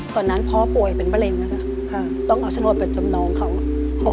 ตอนนั้นพ่อป่วยเป็นแบรนด์นะครับต้องเอาชะลดเป็นจำนองเขา๖๐๐๐๐บาท